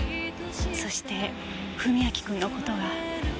そして史明君の事が。